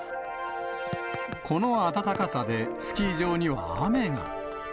この暖かさで、スキー場には雨が。